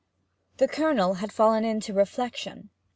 The Colonel had fallen into reflection.